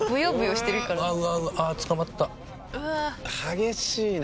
激しいな。